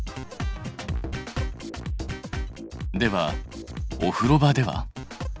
ではお風呂場では？